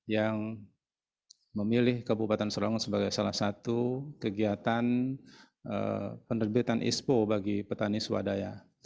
yang memilih kabupaten serawangun sebagai salah satu kegiatan penerbitan ispo bagi petani swadaya